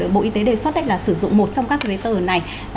bộ y tế đề xuất đấy là sử dụng một trong các cái giấy tờ này